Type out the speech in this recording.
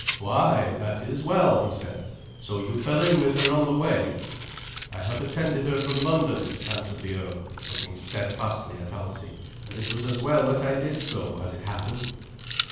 "Why, that is well," he said; "so you fell in with her on the way." "I have attended her from London," answered the earl, looking steadfastly at Alsi, "and it was as well that I did so, as it happened."